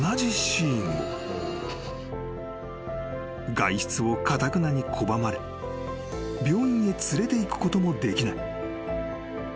［外出をかたくなに拒まれ病院へ連れていくこともできない］